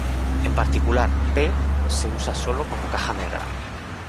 En particular, "P" se usa solo como caja negra.